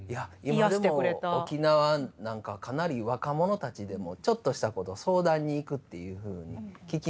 いや今でも沖縄なんかかなり若者たちでもちょっとしたこと相談に行くっていうふうに聞きますよ。